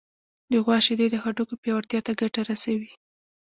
د غوا شیدې د هډوکو پیاوړتیا ته ګټه رسوي.